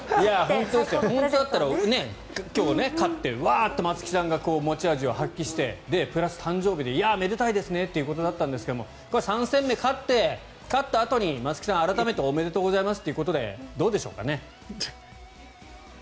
本当だったら今日勝ってワーッと松木さんが持ち味を発揮してプラス誕生日でいやあ、めでたいですねということだったんですが３戦目勝って勝ったあとに、松木さん改めておめでとうございますっていうことでどうでしょうかね。